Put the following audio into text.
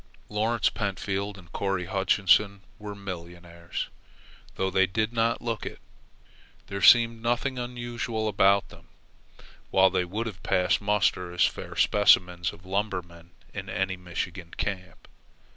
Lawrence Pentfield and Corry Hutchinson were millionaires, though they did not look it. There seemed nothing unusual about them, while they would have passed muster as fair specimens of lumbermen in any Michigan camp.